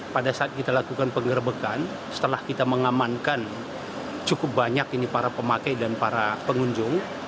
pada saat kita lakukan penggerbekan setelah kita mengamankan cukup banyak ini para pemakai dan para pengunjung